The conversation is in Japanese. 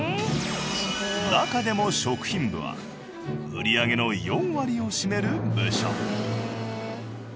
中でも食品部は売り上げの４割を占める部署。